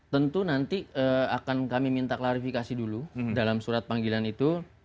tentu nanti akan kami minta klarifikasi dulu dalam surat panggilan itu